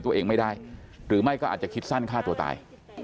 ตัวเองไม่ได้หรือไม่ก็อาจจะคิดสั้นฆ่าตัวตาย